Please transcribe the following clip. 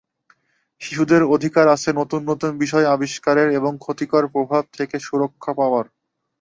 শিশুদের অধিকার আছে নতুন নতুন বিষয় আবিষ্কারের এবং ক্ষতিকর প্রভাব থেকে সুরক্ষা পাওয়ার।